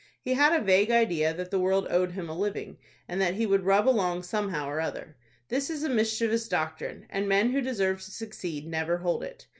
He had a vague idea that the world owed him a living, and that he would rub along somehow or other. This is a mischievous doctrine, and men who deserve to succeed never hold it.